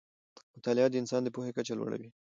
مطالعه د انسان د پوهې کچه لوړه وي